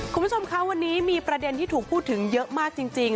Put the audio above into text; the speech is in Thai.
คุณผู้ชมคะวันนี้มีประเด็นที่ถูกพูดถึงเยอะมากจริง